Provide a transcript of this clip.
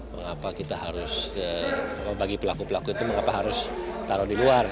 mengapa kita harus bagi pelaku pelaku itu mengapa harus taruh di luar